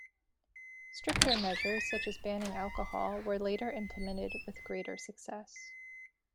Stricter measures such as banning alcohol were later implemented with greater success.